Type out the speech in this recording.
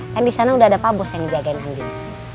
kan disana udah ada papus yang ngejagain andin